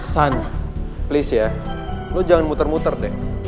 sun please ya lo jangan muter muter deh